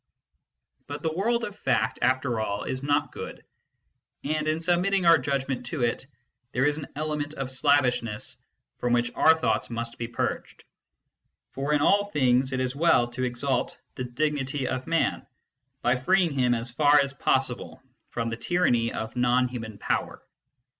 But the world of fact, after all, is not good ; and, in submitting our judgment to it, there is an element of slavishness from which our thoughts must be purged. For in all things it is well to exalt the dignity of Man, by freeing him as far as possible from the tyranny of non human Power.